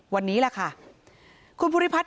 วันนี้แหละค่ะคุณภูริพัฒน